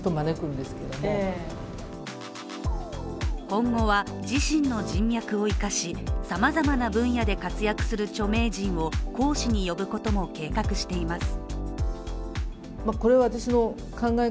今後は、自身の人脈を生かしさまざまな分野で活躍する著名人を講師に呼ぶことも計画しています。